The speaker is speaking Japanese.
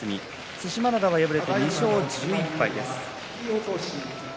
對馬洋は敗れて２勝１１敗です。